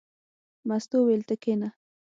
مستو وویل: ته کېنه.